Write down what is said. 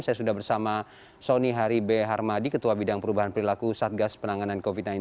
saya sudah bersama soni hari b harmadi ketua bidang perubahan perilaku satgas penanganan covid sembilan belas